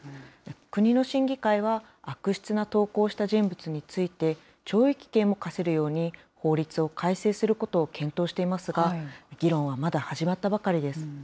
国の審議会は悪質な投稿をした人物について、懲役刑も科せるように、法律を改正することを検討していますが、議論はまだ始まったばかりです。